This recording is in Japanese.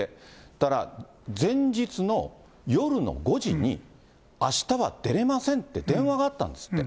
したら、前日の夜の５時に、あしたは出れませんって電話があったんですって。